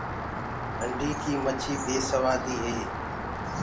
ڍنڊي ڪي مڇيٚ بي سوآديٚ هي۔